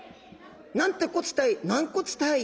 なんてこったい軟骨たい。